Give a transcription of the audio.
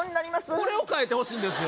これを替えてほしいんですよ